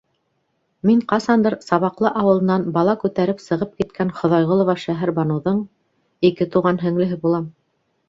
Мин ҡасандыр Сабаҡлы ауылынан бала күтәреп сығып киткән Хоҙайғолова Шәһәрбаныуҙың... ике туған һеңлеһе булам.